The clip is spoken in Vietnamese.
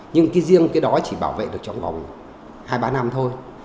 nhưng cái riêng cái đó chỉ bảo vệ được trong vòng hai ba năm thôi